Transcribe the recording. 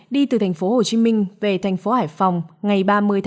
đi từ thành phố hồ chí minh về thành phố hải phòng ngày ba mươi một mươi